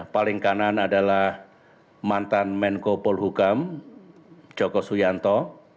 paling kanan adalah mantan menko polhukam joko suyanto